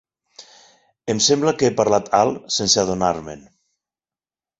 Em sembla que he parlat alt, sense adonar-me'n.